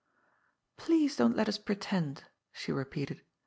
" Please don't let us pretend," she repeated.